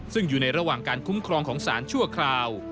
ซึ่งอยู่ในระหว่างการคุ้มครองของสารชั่วคราว